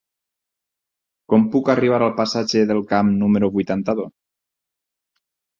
Com puc arribar al passatge del Camp número vuitanta-dos?